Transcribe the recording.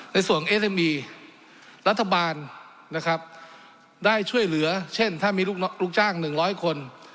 ในส่วนเอสเอมีรัฐบาลนะครับได้ช่วยเหลือเช่นถ้ามีลูกจ้าง๑๐๐คน